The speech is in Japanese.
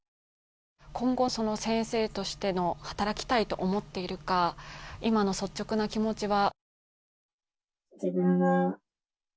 今後、先生として働きたいと思っているか、今の率直な気持ちは？